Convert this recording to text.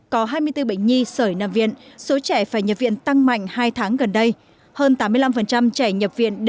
có hai mươi bốn bệnh nhi sởi nằm viện số trẻ phải nhập viện tăng mạnh hai tháng gần đây hơn tám mươi năm trẻ nhập viện